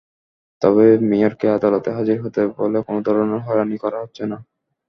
তবে মেয়রকে আদালতে হাজির হতে বলে কোনো ধরনের হয়রানি করা হচ্ছে না।